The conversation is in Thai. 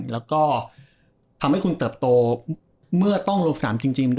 แล้วก็ทำให้คุณเติบโตเมื่อต้องลงสนามจริง